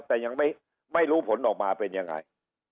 แต่ยังไม่รู้ผลออกมาเป็นยังไง